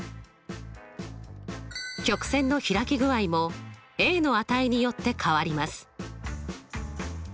曲線の開き具合もの値によって変わります。